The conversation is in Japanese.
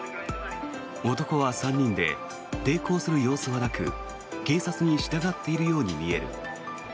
男は３人で抵抗する様子はなく警察に従っているように見える。